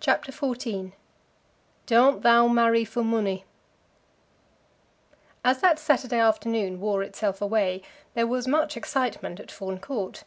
CHAPTER XIV "Doan't Thou Marry for Munny" As that Saturday afternoon wore itself away, there was much excitement at Fawn Court.